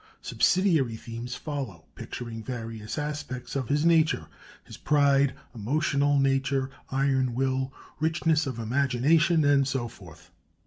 Subsidiary themes follow, picturing various aspects of his nature his "pride, emotional nature, iron will, richness of imagination," and so forth.